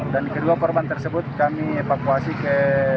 dan kedua korban tersebut kami evakuasi ke